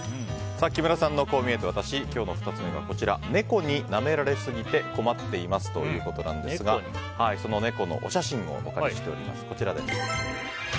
キムラさんのこう見えてワタシ今日の２つ目が猫になめられすぎて困っていますということですがその猫のお写真をお借りしております。